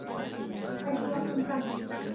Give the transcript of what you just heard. ayllu atun kan